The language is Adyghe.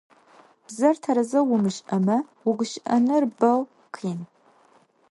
Бзэр тэрэзэу умышӏэмэ угущыӏэныр бо къин.